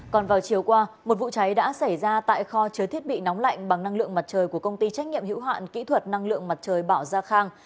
còn vào chiều qua một vụ cháy đã xảy ra tại kho chứa thiết bị nóng lạnh bằng năng lượng mặt trời của công ty trách nhiệm hữu hạn kỹ thuật năng lượng mặt trời bảo gia khang